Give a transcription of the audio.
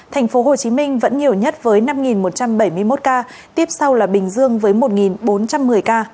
tp hcm vẫn nhiều nhất với năm một trăm bảy mươi một ca tiếp sau là bình dương với một bốn trăm một mươi ca